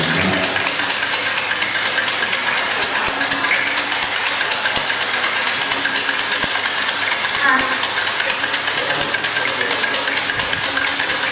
ดูแลก็จะแค่หน้าตรงด้วยหรือเปล่า